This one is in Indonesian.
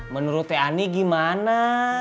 menurut teh ani gimana